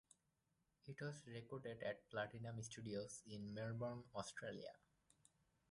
It was recorded at Platinum Studios in Melbourne, Australia.